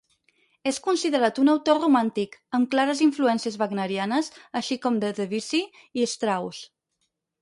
És considerat un autor romàntic, amb clares influències wagnerianes, així com de Debussy i Strauss.